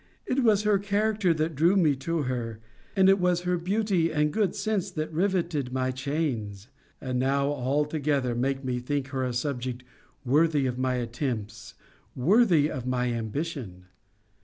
It was her character that drew me to her: and it was her beauty and good sense that rivetted my chains: and now all together make me think her a subject worthy of my attempts, worthy of my ambition.'